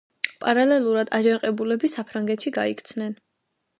პარალელურად აჯანყებულები საფრანგეთში გაიქცნენ.